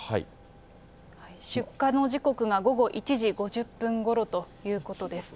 出火の時刻が午後１時５０分ごろということです。